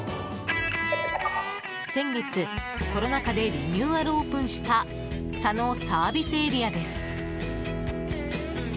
先月、コロナ禍でリニューアルオープンした佐野ＳＡです。